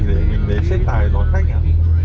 để mình đến xếp tài đón khách ạ